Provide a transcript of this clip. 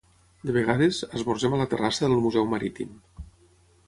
De vegades, esmorzem a la terrassa del Museu Marítim.